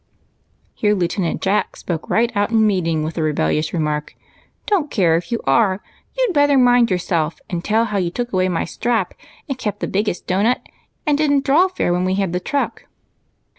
Here Lieutenant Jack spoke right out in meeting with the rebellious remark, — COSEY CORNER. 147 "Don't care if you are; you'd better mind your self, and tell how you took away my strap, and kept the biggest doughnut, and did n't draw fair when we had the truck."